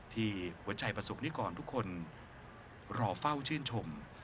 ที่หัวใจประสงค์นี้ก่อนทุกคนรอเฝ้าชื่นชม